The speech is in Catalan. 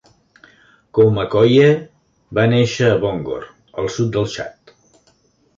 Koumakoye va néixer a Bongor, al sud del Txad.